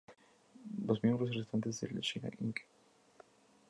Los miembros restantes de Shinra Inc.